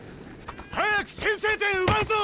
早く先制点奪うぞ！